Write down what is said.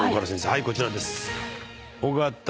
はいこちらです。